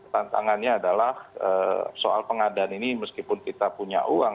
tantangannya adalah soal pengadaan ini meskipun kita punya uang